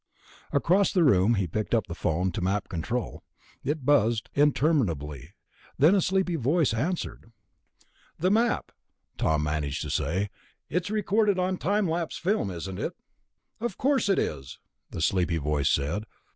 Across the room he picked up the phone to Map Control. It buzzed interminably; then a sleepy voice answered. "The Map," Tom managed to say. "It's recorded on time lapse film, isn't it?" "'Course it is," the sleepy voice said.